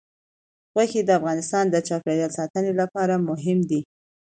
غوښې د افغانستان د چاپیریال ساتنې لپاره مهم دي.